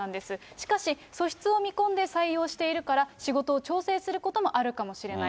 しかし、素質を見込んで採用しているから、仕事を調整することもあるかもしれない。